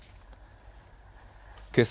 けさ